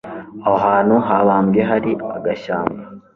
aho hantu yabambwe hari agashyamba